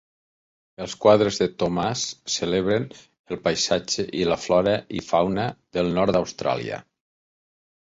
Els quadres de Thomas celebren el paisatge i la flora i fauna del nord d'Austràlia.